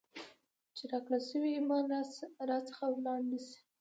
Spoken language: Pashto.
چي راکړل سوئ ایمان را څخه ولاړ نسي ،